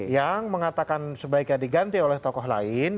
yang mengatakan sebaiknya diganti oleh tokoh lain